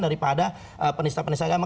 daripada penista penista agama